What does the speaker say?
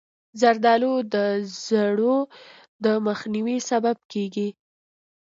زردالو د زړو د مخنیوي سبب کېږي.